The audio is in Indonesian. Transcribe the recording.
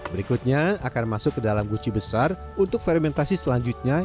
berikutnya akan masuk ke dalam guci besar untuk fermentasi selanjutnya